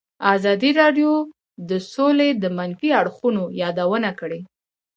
ازادي راډیو د سوله د منفي اړخونو یادونه کړې.